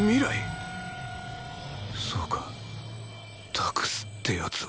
そうか「託す」ってやつは